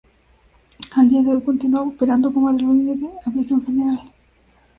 A día de hoy continúa operando como aerolínea de aviación general.